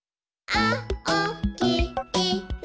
「あおきいろ」